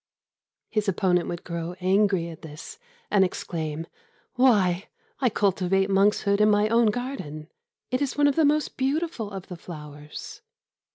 His opponent would grow angry at this, and exclaim: "Why, I cultivate monkshood in my own garden. It is one of the most beautiful of the flowers."